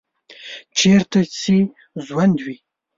چیرته چې ژوند وي